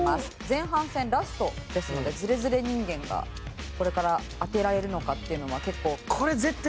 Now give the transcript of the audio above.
前半戦ラストですのでズレズレ人間がこれから当てられるのかっていうのは結構。